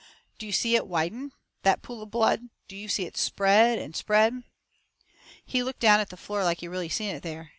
"Do you see it widen that pool of blood? Do you see it spread and spread?" He looked down at the floor, like he really seen it there.